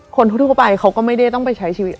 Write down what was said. คนทั่วไปเขาก็ไม่ได้ต้องไปใช้ชีวิต